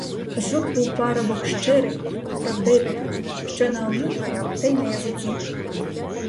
Жук був парубок щирий, правдивий: що на умі, те й на язиці.